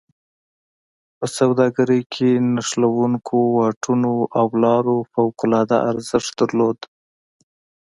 په سوداګرۍ کې نښلوونکو واټونو او لارو فوق العاده ارزښت درلوده.